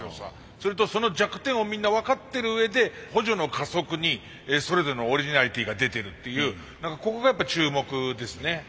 それとその弱点をみんな分かってるうえで補助の加速にそれぞれのオリジナリティーが出てるっていうここがやっぱ注目ですね。